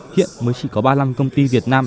hiện mới chỉ có ba mươi năm công ty việt nam